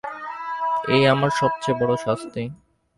এই আমার সব চেয়ে শাস্তি।